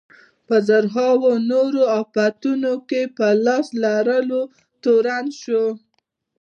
په زرهاوو نورو افتونو کې په لاس لرلو تورن شو.